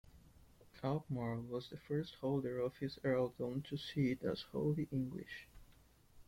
Albemarle was the first holder of his earldom to see it as wholly English.